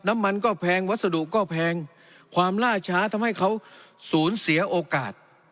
น้ำมันก็แพงวัสดุก็แพงความล่าช้าทำให้เขาสูญเสียโอกาส